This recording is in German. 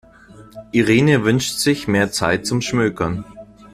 Irene wünscht sich mehr Zeit zum Schmökern.